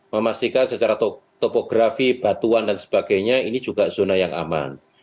memastikan secara topografi batuan dan sebagainya ini juga zona yang aman